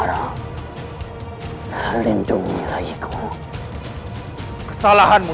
dan aku tidak akan maafkanmu